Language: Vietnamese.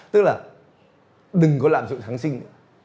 tức là đừng có lạm dụng kháng sinh